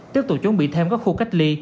tiếp tục chuẩn bị thêm các khu cách ly